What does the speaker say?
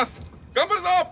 頑張るぞ！